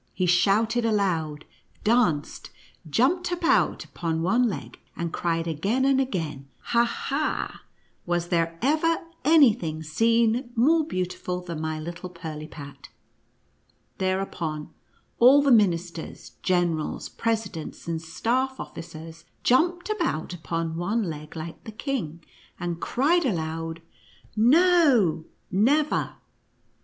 He shouted aloud, danced, jumped about irpon one leg, and cried again and again, " Ha ! ha ! was there ever any thing seen more beautiful than my little Pirlipat?" Thereupon all the ministers, generals, presidents and staff officers jumped about upon one leg like the king, and cried aloud, " No, never